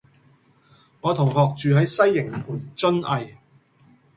我同學住喺西營盤瑧蓺